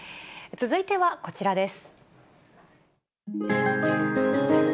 続いてはこちらです。